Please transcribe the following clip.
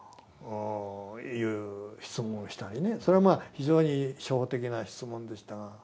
それは非常に初歩的な質問でしたが。